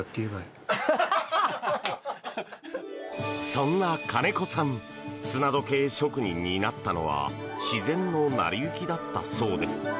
そんな金子さん砂時計職人になったのは自然の成り行きだったそうです。